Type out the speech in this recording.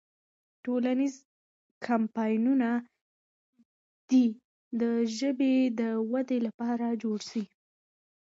ټولنیز کمپاینونه دې د ژبې د ودې لپاره جوړ سي.